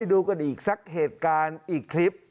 ดูกันอีกสักเหตุการณ์อีกคลิป